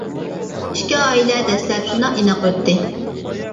ئىككى ئائىلە دەسلەپ شۇنداق ئىناق ئۆتتى.